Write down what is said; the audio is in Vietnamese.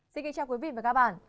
xin kính chào quý vị và các bạn